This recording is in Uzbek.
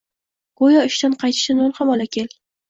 Go’yo ishdan qaytishda non ham ola kel